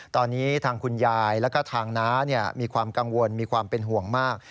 ตอนนี้ทางคุณยายแล้วก็ทางน้ามีความกังวลมีความเป็นห่วงมาก